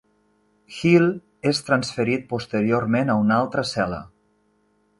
Hill és transferit posteriorment a una altra cel·la.